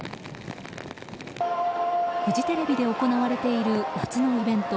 フジテレビで行われている夏のイベント